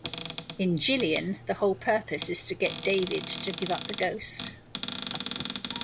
In "Gillian", the whole purpose is to get David to give up the ghost.